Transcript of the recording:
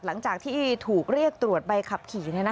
หลังจากที่ถูกเรียกตรวจใบขับขี่